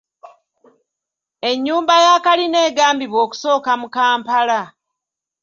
Ennyumba ya kalina egambibwa okusooka mu Kampala.